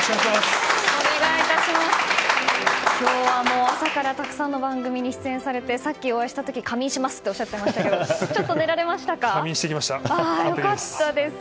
今日は朝からたくさんの番組に出演されてさっき、お会いした時仮眠しますとおっしゃっていましたが仮眠してきました。